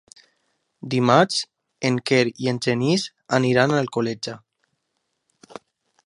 Dimarts en Quer i en Genís aniran a Alcoleja.